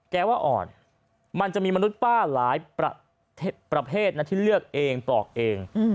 ว่าอ่อนมันจะมีมนุษย์ป้าหลายประเภทนะที่เลือกเองปอกเอง